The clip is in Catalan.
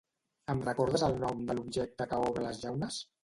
Em recordes el nom de l'objecte que obre les llaunes?